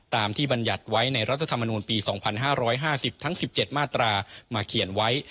ตามที่บรรยัติไว้ในรัฐธรรมนูลปี๒๕๕๐ทั้ง๑๗มาตรามาเขียนไว้